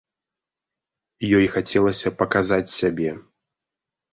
Ёй хацелася паказаць сябе.